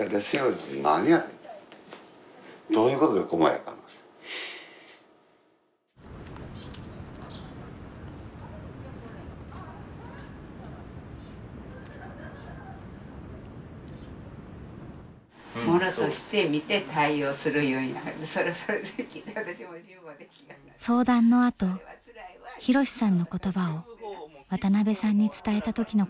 相談のあと博さんの言葉を渡邊さんに伝えた時のことでした。